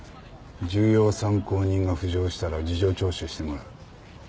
重要参考人が浮上したら事情聴取してもらう。